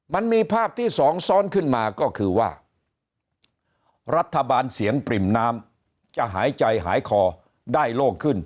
มันมีภาพที่สองซ้อนขึ้นมาก็คือว่ารัฐบาลเสียงปริ่มน้ำจะหายใจหายคอได้โล่งขึ้น